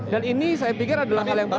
dan ini saya pikir adalah hal yang baik